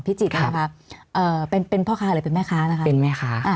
จิตนะคะเป็นพ่อค้าหรือเป็นแม่ค้านะคะเป็นแม่ค้า